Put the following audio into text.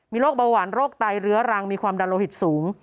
โรคเบาหวานโรคไตเรื้อรังมีความดันโลหิตสูง